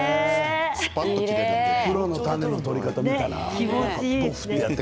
プロの種の取り方見たな。